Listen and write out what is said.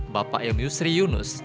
bapak yusri yunus